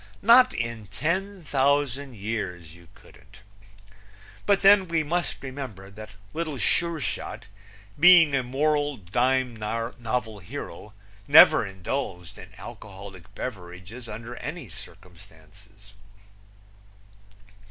Not in ten thousand years, you couldn't. But then we must remember that Little Sure Shot, being a moral dime novel hero, never indulged in alcoholic beverages under any circumstances.